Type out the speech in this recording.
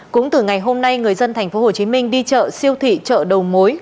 cũng từ ngày hôm nay người dân tp hcm đi chợ siêu thị chợ đầu mối